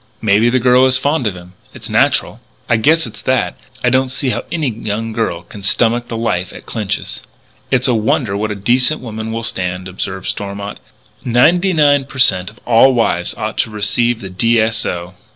"Maybe the girl is fond of him. It's natural." "I guess it's that. But I don't see how any young girl can stomach the life at Clinch's." "It's a wonder what a decent woman will stand," observed Stormont. "Ninety nine per cent. of all wives ought to receive the D. S. O."